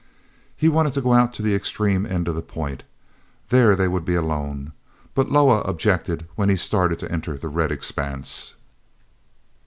He wanted to go on out to the extreme end of the point. There they would be alone. But Loah objected when he started to enter the red expanse.